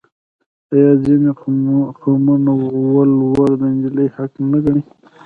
آیا ځینې قومونه ولور د نجلۍ حق نه ګڼي؟